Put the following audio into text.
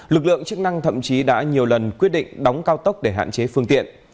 lực lượng chức năng thậm chí đã nhiều lần quyết định đóng cao tốc để hạn chế phương tiện